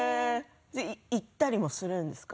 行ったりもするんですか？